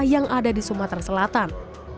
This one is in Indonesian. yang ada di sumatera selatan